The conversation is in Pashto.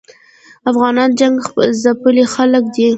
افغانان جنګ ځپلي خلګ دي